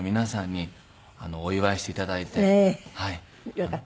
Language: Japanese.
よかった。